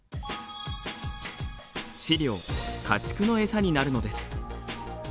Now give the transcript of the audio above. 飼料家畜の餌になるのです。